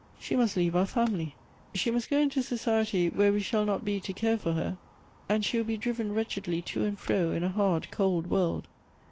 She must leave our family : she must go into society where we shall not be to care for her, and she will be driven wretchedly to and fro in a hard, cold world.